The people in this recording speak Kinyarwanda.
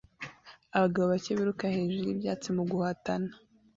Abagabo bake biruka hejuru y'ibyatsi mu guhatana